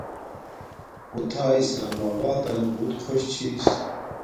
اُو تھا اسلام آباتنا بوت خوش چھس